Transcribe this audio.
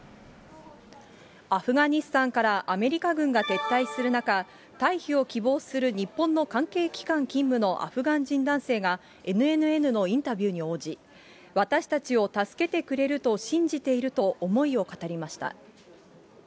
アフガニスタンからアメリカ軍が撤退する中、退避を希望する日本の関係機関勤務のアフガン人男性が、ＮＮＮのインタビューに応じ、私たちを助けてくれると信じていると、思いを語りました。